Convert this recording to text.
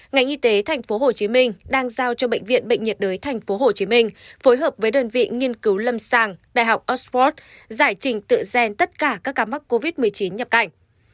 ngành y tế tp hcm đang giao cho bệnh viện bệnh nhiệt đới tp hcm phối hợp với đơn vị nghiên cứu lâm sàng đại học oxford giải trình tự gen tất cả các ca mắc covid một mươi chín nhập cảnh